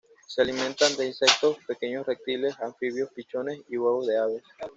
Se alimenta de insectos, pequeños reptiles, anfibios, pichones y huevos de aves.